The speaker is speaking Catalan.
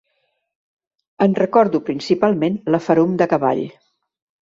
En recordo principalment la ferum de cavall